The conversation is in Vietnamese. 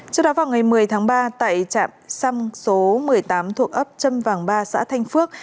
trước đó vào ngày một mươi tháng ba tại trạm xăm số một mươi tám thuộc ấp trâm vàng ba xã thanh phước